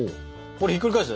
これひっくり返す？